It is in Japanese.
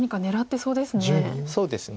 そうですね。